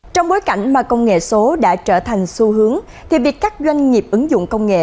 trong bối cảnh mà công nghệ số đã trở thành xu hướng thì việc các doanh nghiệp ứng dụng công nghệ